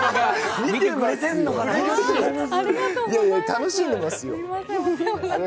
楽しんでますよ。